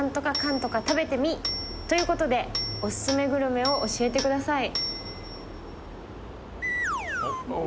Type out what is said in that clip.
「○○食べてみ！」ということでオススメグルメを教えてください